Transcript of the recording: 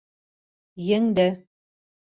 Еңде.